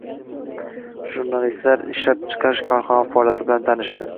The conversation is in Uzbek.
Jurnalistlar ishlab chiqarish korxonalari faoliyati bilan tanishdi